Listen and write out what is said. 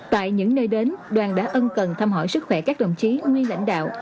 tại những nơi đến đoàn đã ân cần thăm hỏi sức khỏe các đồng chí nguyên lãnh đạo